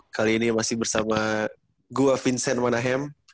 kali ini masih bersama gua vincent manahem